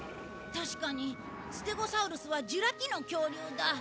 確かにステゴサウルスはジュラ紀の恐竜だ。